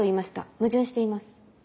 矛盾しています。